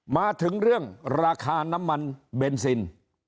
มาถึงเรื่องราคาน้ำมันเบนซิน